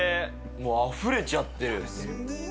もうあふれちゃってる。